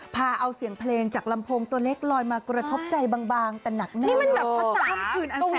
พาเอาเสียงเพลงจากลำโพงตัวเล็กลอยมากระทบใจบางแต่หนักหน้า